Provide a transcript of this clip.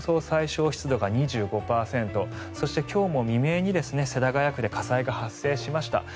最小湿度が２５％そして、今日も未明に世田谷区で火災が発生しました。